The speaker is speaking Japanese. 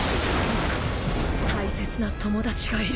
大切な友達がいる。